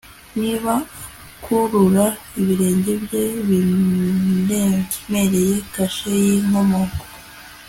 Niba akurura ibirenge bye biremereye kashe yinkomoko